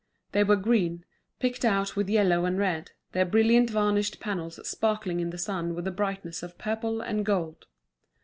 They were green, picked out with yellow and red, their brilliantly varnished panels sparkling in the sun with the brightness of purple and gold.